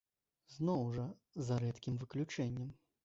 Зноў жа, за рэдкім выключэннем.